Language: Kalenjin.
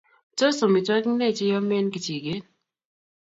tos omitwogik ne che iomen kijiket